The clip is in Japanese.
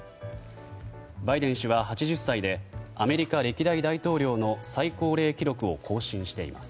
バイデン氏は８０歳でアメリカ歴代大統領の最高齢記録を更新ししています。